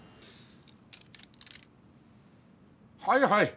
はいはい。